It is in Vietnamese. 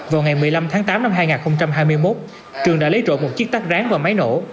vào ngày một mươi năm tháng tám năm hai nghìn hai mươi một trường đã lấy trộm một chiếc tắt ráng và máy nổ